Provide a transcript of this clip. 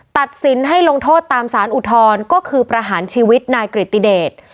ตัดสินให้ลงโทษตามสารอุทธรณ์ก็คือประหารชีวิตนายกริติเดช